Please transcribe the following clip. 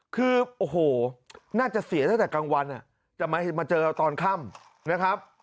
คือโอ้โหน่าจะเสียตั้งแต่กลางวันจะมาเจอตอนค่ำนะครับ